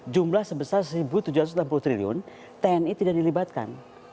jumlah sebesar rp satu tujuh ratus enam puluh triliun tni tidak dilibatkan